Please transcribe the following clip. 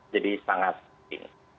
jadi sangat penting